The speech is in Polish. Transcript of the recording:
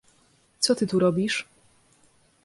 "Co ty tu robisz?"